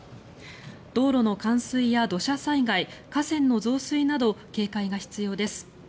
道路の冠水や土砂災害河川の増水など警戒が必要です。